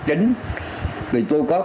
chính thì tôi có